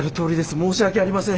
申し訳ありません。